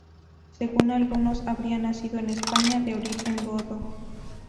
Según algunos habría nacido en España, de origen godo.